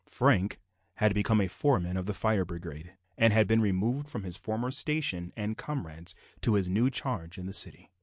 Frank had become a foreman of the Fire Brigade, and had been removed from his former station and comrades to his new charge in the city.